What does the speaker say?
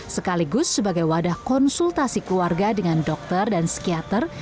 sekaligus sebagai wadah konsultasi keluarga dengan dokter dan psikiater